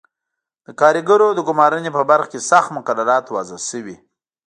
د کارګرو د ګومارنې په برخه کې سخت مقررات وضع شوي.